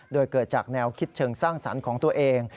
โดยเกิดจากแนวคิดเชิงสร้างสรรค์ของตัวเอง